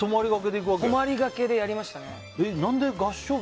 泊まりがけでやりましたね。